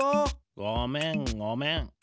ごめんごめん。